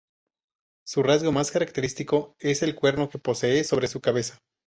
Su rasgo más característico es el cuerno que posee sobre su cabeza.